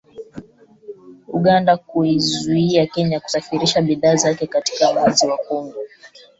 Uganda kuiuzia Kenya kusafirisha bidhaa zake katika mwezi wa kumi